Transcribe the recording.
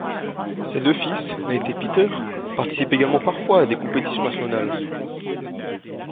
Ses deux fils, Nate et Peter, participent également parfois à des compétitions nationales.